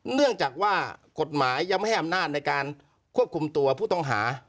เนื่องจากว่ากฎหมายยังไม่ให้อำนาจในการควบคุมตัวผู้ต้องหา